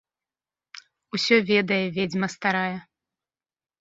Усё ведае ведзьма старая.